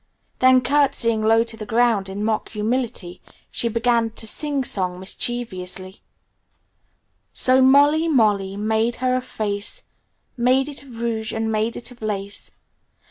Then courtesying low to the ground in mock humility, she began to sing song mischievously: "So Molly, Molly made her a face, Made it of rouge and made it of lace.